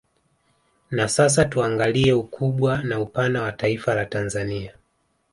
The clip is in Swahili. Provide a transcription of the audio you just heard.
Na sasa tuangalie ukubwa na upana wa Taifa la Tanzania